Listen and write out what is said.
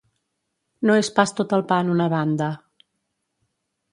No és pas tot el pa en una banda.